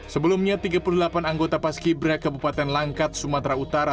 sebelumnya tiga puluh delapan anggota paski bra kabupaten langkat sumatera utara